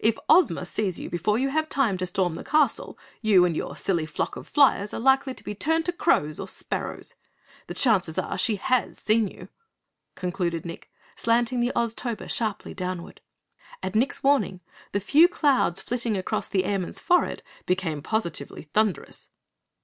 If Ozma sees you before you have time to storm the castle, you and your silly flock of flyers are likely to be turned to crows or sparrows! The chances are, she HAS seen you," concluded Nick, slanting the Oztober sharply downward. At Nick's warning, the few clouds flitting across the Airman's forehead became positively thunderous.